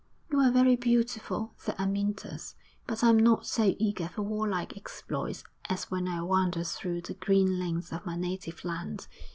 'You are very beautiful,' said Amyntas, 'but I am not so eager for warlike exploits as when I wandered through the green lanes of my native land.